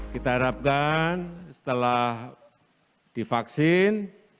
kita harapkan setelah divaksin